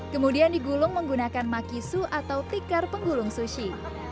kemudian digulung menggunakan makisu atau tikar penggulung sushi